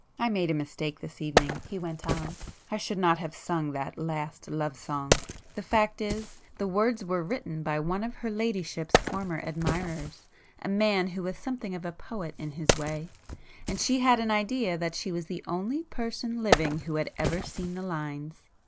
"I made a mistake this evening,"—he went on—"I should not have sung that 'Last Love song.' The fact is, the words were written by one of her ladyship's former admirers, a man who was something of a poet in his way,—and she had an idea that she was the only person living who had ever seen the lines.